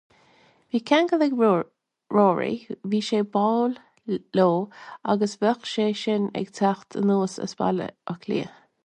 Bhí ceangal ag Ruaidhrí, bhí sé báúil leo agus bheadh sé sin ag teacht anuas as Baile Átha Cliath.